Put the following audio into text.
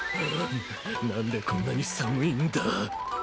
なんでこんなに寒いんだ。